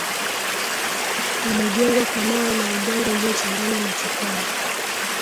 Limejengwa kwa mawe na udongo uliochanganywa na chokaa